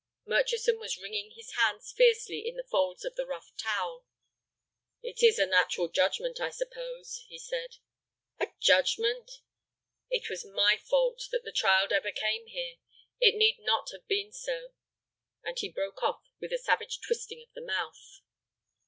Murchison was wringing his hands fiercely in the folds of the rough towel. "It is a natural judgment, I suppose," he said. "A judgment?" "It was my fault that the child ever came here. It need not have been so—" and he broke off with a savage twisting of the mouth.